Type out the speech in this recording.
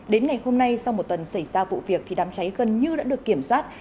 đến ngày hôm nay sau một tuần xảy ra vụ việc thì đám cháy gần như đã được kiểm soát